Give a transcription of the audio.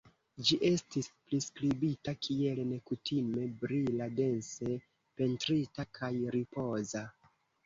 Ĝi estis priskribita kiel "nekutime brila, dense pentrita, kaj ripoza".